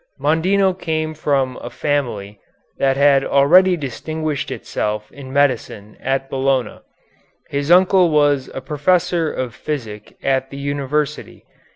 Mondino came from a family that had already distinguished itself in medicine at Bologna. His uncle was a professor of physic at the university.